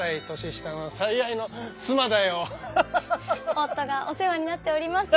夫がお世話になっております。